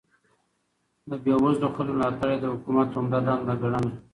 د بې وزلو خلکو ملاتړ يې د حکومت عمده دنده ګڼله.